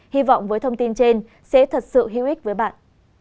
hy vọng với thông tin trên sẽ thật sự hữu ích với bạn